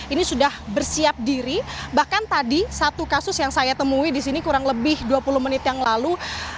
ini sudah bersiap diri bahkan tadi satu kasus yang saya temui di sini kurang lebih dua puluh menit yang lalu